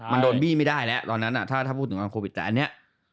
มันโดนบี้ไม่ได้แล้วตอนนั้นถ้าพูดถึงตอนโควิดแต่อันนี้